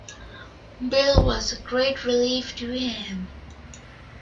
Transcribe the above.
Bill was a great relief to him.